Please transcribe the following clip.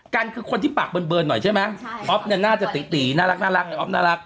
กันคือคนที่ปากเบิร์นหน่อยใช่ไหมใช่อ๊อฟเนี่ยน่าจะตีตีน่ารักอ๊อฟน่ารัก